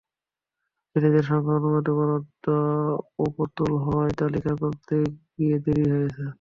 জেলেদের সংখ্যা অনুপাতে বরাদ্দ অপ্রতুল হওয়ায় তালিকা করতে গিয়ে দেরি হয়েছে।